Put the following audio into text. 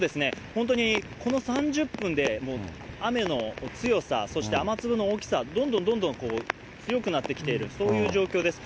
本当にこの３０分で、雨の強さ、そして雨粒の大きさ、どんどんどんどん強くなってきている、そういう状況です。